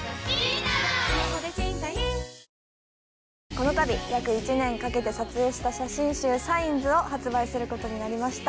このたび約１年かけて撮影した写真集『ＳＩＧＮＳ』を発売することになりました。